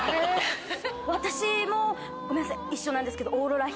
私もごめんなさい一緒なんですけどオーロラ姫。